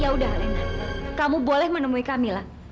ya udah alena kamu boleh menemui camilla